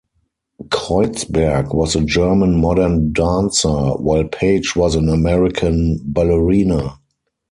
Kreutzberg was a German modern dancer, while Page was an American ballerina.